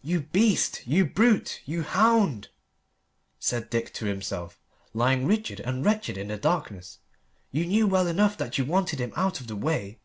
"You beast, you brute, you hound!" said Dick to himself, lying rigid and wretched in the darkness. "You knew well enough that you wanted him out of the way.